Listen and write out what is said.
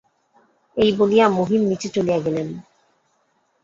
এই বলিয়া মহিম নীচে চলিয়া গেলেন।